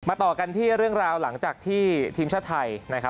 มาต่อกันที่เรื่องราวหลังจากทีมชาติไทย